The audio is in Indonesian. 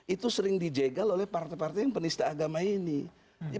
itu sering dijegal oleh partai partai yang penista agama ini